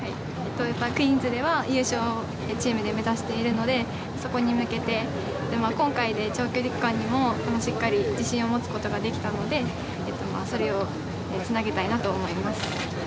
「クイーンズ」では優勝をチームで目指しているのでそこに向けて、今回で長距離区間にもしっかり自信を持つことができたので、それをつなげたいなと思います。